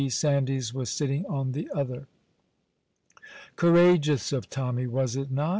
Sandys was sitting on the other. Courageous of Tommy, was it not?